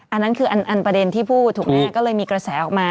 อันนั้นคืออันประเด็นที่พูดถูกไหมก็เลยมีกระแสออกมา